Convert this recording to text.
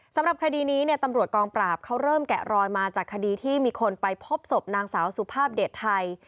สำหรับคดีนี้เนี่ยตำรวจกองปราบเขาเริ่มแกะรอยมาจากคดีที่มีคนไปพบศพนางสาวสุภาพเดชไทย